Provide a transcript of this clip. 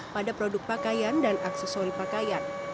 pada produk pakaian dan aksesori pakaian